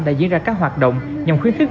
đã diễn ra các hoạt động nhằm khuyến khích